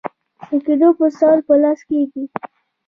د کینو پوستول په لاس کیږي.